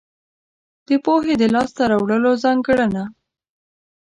د پوهې د لاس ته راوړلو ځانګړنه.